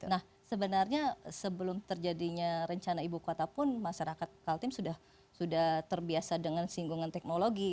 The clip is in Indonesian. nah sebenarnya sebelum terjadinya rencana ibu kota pun masyarakat kaltim sudah terbiasa dengan singgungan teknologi